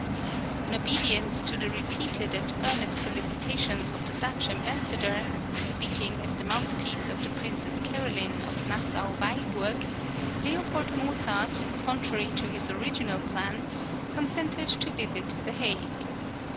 In obedience to the repeated and earnest solicitations of the Dutch Ambassador, speaking as the mouthpiece of the Princess Caroline, of Nassau Weilburg, L. Mozart, contrary to his original plan, consented to visit the Hague.